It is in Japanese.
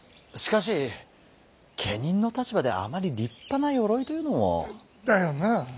しかし家人の立場であまり立派な鎧というのも。だよなあ。